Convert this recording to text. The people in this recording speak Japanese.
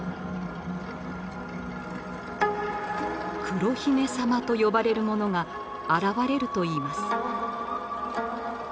「黒姫さま」と呼ばれるものが現れるといいます。